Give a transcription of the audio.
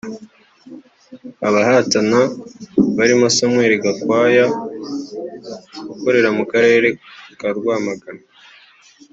Abahatana barimo Samuel Gakwaya ukorera mu Karere ka Rwamagana